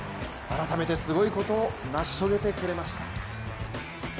改めて、すごいことを成し遂げてくれました。